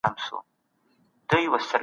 جغرافيايي موقعيت د ځان وژنې اصلي لامل نه دی.